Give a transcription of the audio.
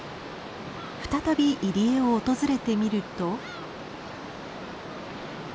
再び入り江を訪れてみると。